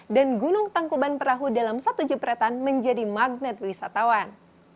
dan gunung tangkuban perahu dalam satu jepretan menjadi magnet wisatawan